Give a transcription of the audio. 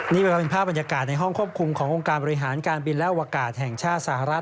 นี่ก็เป็นภาพบรรยากาศในห้องควบคุมขององค์การบริหารการบินและอวกาศแห่งชาติสหรัฐ